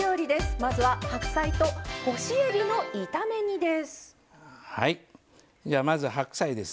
まずは白菜と干しえびの炒め煮です。